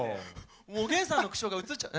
もうおげんさんの口調がうつっちゃう。